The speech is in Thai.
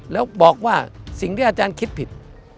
แล้วบอกว่าสิ่งที่อาจารย์คิดผิด